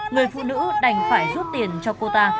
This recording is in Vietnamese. người phụ nữ đành phải rút tiền cho cô ta